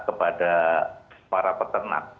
kepada para peternak